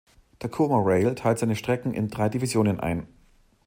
Tacoma Rail teilt seine Strecken in drei Divisionen ein.